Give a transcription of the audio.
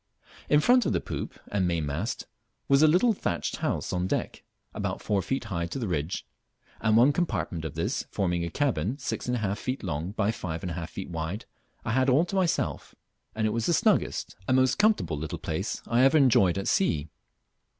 In front of the poop and mainmast was a little thatched house on deck, about four feet high to the ridge; and one compartment of this, forming a cabin six and a half feet long by five and a half wide, I had all to myself, and it was the snuggest and most comfortable little place I ever enjoyed at sea.